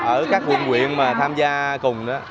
ở các quận quyện mà tham gia cùng